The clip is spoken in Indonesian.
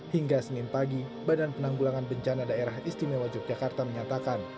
hingga senin pagi badan penanggulangan bencana daerah istimewa yogyakarta menyatakan